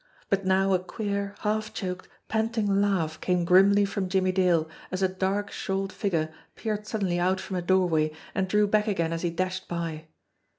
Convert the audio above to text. But now a queer, half choked, panting laugh came grimly from Jimmie Dale as a dark shawled figure peered suddenly out from a doorway and drew back again as he dashed by.